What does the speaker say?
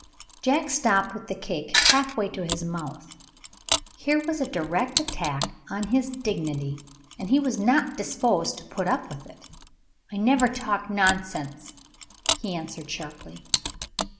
Jack stopped with the cake half way to his mouth. Here was a direct attack on his dignity, and he was not disposed to put up with it. "I never talk nonsense," he answered sharply.